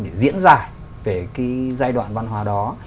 để diễn giải về cái giai đoạn văn hóa đó